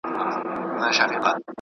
ملکيت د ژوند د ارامۍ وسيله ده.